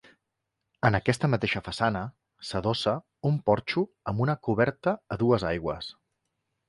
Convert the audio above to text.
En aquesta mateixa façana s’adossa un porxo amb una coberta a dues aigües.